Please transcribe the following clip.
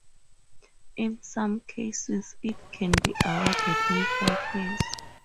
In some cases it can be awarded in five years.